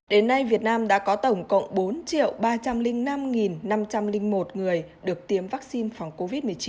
đến nay việt nam đã có tổng cộng bốn ba trăm linh năm năm trăm linh một người được tiêm vaccine phòng covid một mươi chín